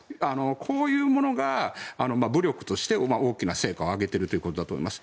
こういうものが武力として大きな成果を上げているということだと思います。